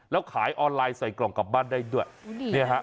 แล้วขายออนไลน์ใส่กล่องกลับบ้านได้ด้วยเนี่ยฮะ